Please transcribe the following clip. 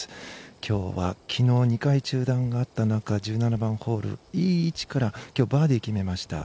今日は昨日２回中断があった中１７番ホールいい位置から今日はバーディーを決めました。